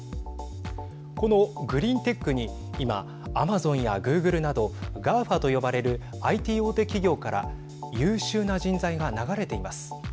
このグリーンテックに今アマゾンやグーグルなどＧＡＦＡと呼ばれるＩＴ大手企業から優秀な人材が流れています。